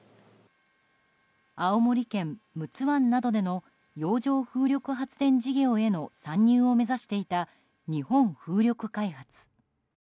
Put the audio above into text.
青森県陸奥湾などでの洋上風力発電事業への参入を目指していた日本風力開発。